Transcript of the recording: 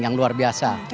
yang luar biasa